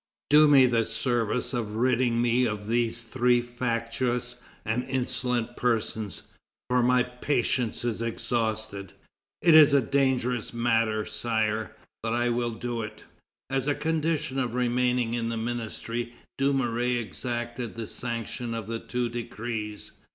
Do me the service of ridding me of these three factious and insolent persons, for my patience is exhausted." "It is a dangerous matter, Sire, but I will do it." As a condition of remaining in the ministry, Dumouriez exacted the sanction of the two decrees.